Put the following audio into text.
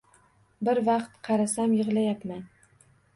Bir vaqt qarasam, yig‘layapman.